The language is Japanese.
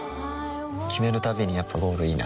決めるたびにやっぱゴールいいなってふん